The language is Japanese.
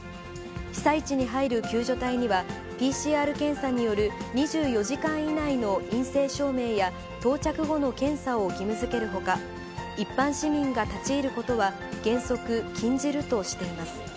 被災地に入る救助隊には、ＰＣＲ検査による２４時間以内の陰性証明や、到着後の検査を義務づけるほか、一般市民が立ち入ることは原則禁じるとしています。